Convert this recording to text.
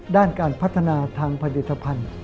ด้านการพัฒนาทางผลิตภัณฑ์